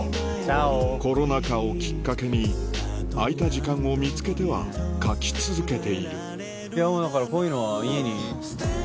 コロナ禍をきっかけに空いた時間を見つけては描き続けているいやだから。